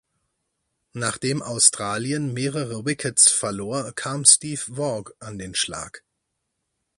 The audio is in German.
Nachdem Australien mehrere Wickets verlor kam Steve Waugh an den Schlag.